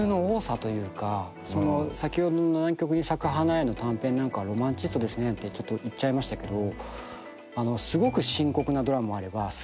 先ほどの『南極に咲く花へ』の短編なんかはロマンチストですねなんてちょっと言っちゃいましたけど。